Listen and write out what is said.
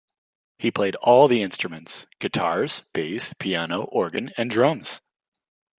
He played all the instruments: guitars, bass, piano, organ and drums.